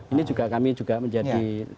ini juga kami juga menjadi